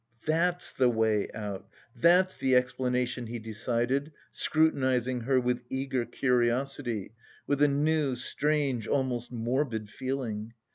"That's the way out! That's the explanation," he decided, scrutinising her with eager curiosity, with a new, strange, almost morbid feeling.